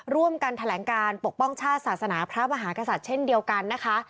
ร่วมกันแถลงการปกป้องชาติศาสนาพระมหากษัตริย์เช่นเดียวกันนะคะ